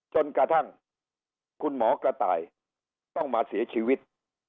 จนกระทั่งคุณหมอกระต่ายต้องมาเสียชีวิต